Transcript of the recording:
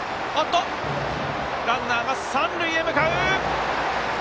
ランナーが三塁へ向かう。